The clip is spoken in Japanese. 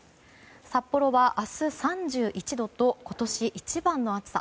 札幌は明日３１度と今年一番の暑さ。